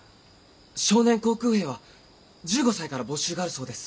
少年航空兵は１５歳から募集があるそうです。